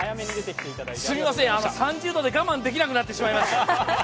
すみません、３０度で我慢できなくなってしまいました。